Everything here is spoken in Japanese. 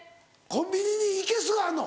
コンビニにいけすがあんの？